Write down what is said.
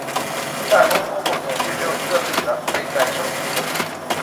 再婚夫妇总计只有一个子女的可以再生育一个子女。